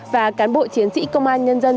và cán bộ chiến sĩ công an nhân dân